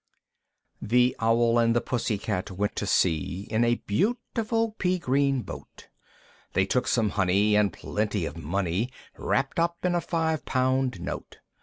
I. The Owl and the Pussy Cat went to sea In a beautiful pea green boat, They took some honey, and plenty of money, Wrapped up in a five pound note.